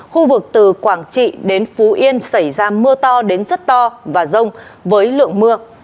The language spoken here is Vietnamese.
khu vực từ quảng trị đến phú yên xảy ra mưa to đến rất to và rông với lượng mưa